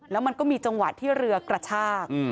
แล้วมันก็มีจังหวะที่เรือกระชาก